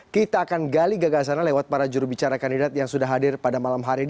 kita akan gali gagasannya lewat para jurubicara kandidat yang sudah hadir pada malam hari ini